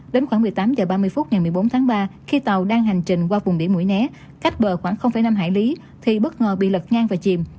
đến khoảng một mươi tám h ba mươi phút ngày một mươi bốn tháng ba khi tàu đang hành trình qua vùng đỉ mũi né cách bờ khoảng năm hải lý thì bất ngờ bị lật ngang và chìm